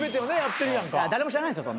誰も知らないんすよ